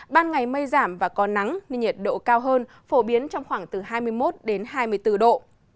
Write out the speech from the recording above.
ban ngày mây giảm và có nắng nên nhiệt độ cao hơn phổ biến trong khoảng từ hai mươi một hai mươi bốn độ